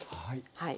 はい。